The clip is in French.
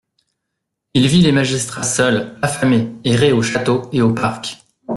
Il vit les magistrats seuls, affamés, errer au château et au parc.